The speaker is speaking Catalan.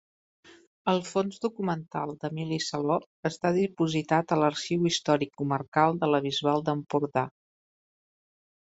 El fons documental d'Emili Saló està dipositat a l'Arxiu Històric Comarcal de la Bisbal d'Empordà.